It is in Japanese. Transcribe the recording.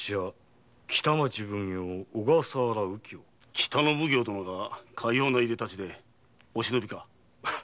北の奉行殿がかようないでたちでお忍びか。